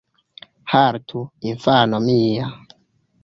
Haltu, infano mia.